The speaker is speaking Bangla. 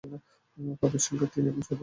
পাপড়ির সংখ্যা তিন এবং সাদা রঙের।